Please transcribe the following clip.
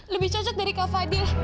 lebih cocok dari kak fadil